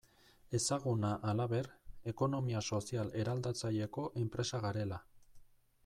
Ezaguna, halaber, ekonomia sozial eraldatzaileko enpresa garela.